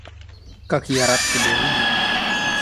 Как я рад тебя видеть!